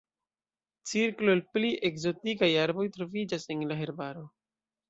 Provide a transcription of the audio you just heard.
Cirklo el pli ekzotikaj arboj troviĝas en la herbaro.